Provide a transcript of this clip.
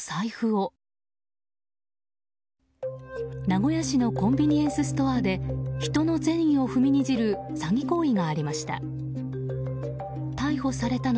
名古屋市のコンビニエンスストアで人の善意を踏みにじる詐欺行為がありました。